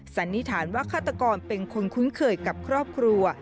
สันนิษฐานว่าฆาตกรเป็นคนคุ้นเคยกับครอบครัว